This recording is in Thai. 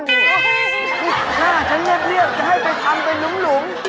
หน้าฉันเรียกจะให้ไปทำเป็นหลุม